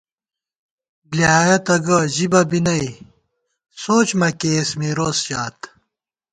بۡلیایَہ تہ گہ ژِبہ بی نئ سوچ مَکېئیس مِروس ژات